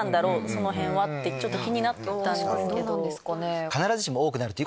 その辺はってちょっと気になったんですけど。